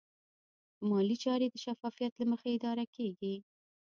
مالي چارې د شفافیت له مخې اداره کېږي.